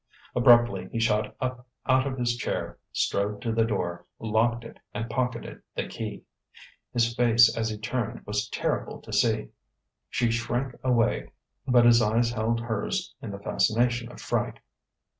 Abruptly he shot up out of his chair, strode to the door, locked it and pocketed the key. His face as he turned was terrible to see. She shrank away, but his eyes held hers in the fascination of fright.